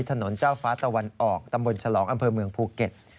ถนนเจ้าฟ้าตะวันออกตำบลฉลองอำเภอเมืองภูเก็ต